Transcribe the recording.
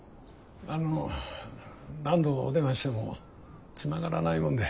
あの何度お電話してもつながらないもんで。